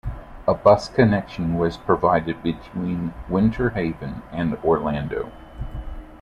A bus connection was provided between Winter Haven and Orlando.